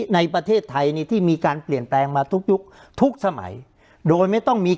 ในประเทศไทยนี่ที่มีการเปลี่ยนแปลงมาทุกยุคทุกสมัยโดยไม่ต้องมี